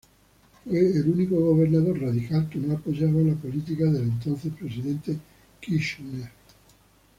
Fue el único gobernador radical que no apoyaba la política del entonces Presidente Kirchner.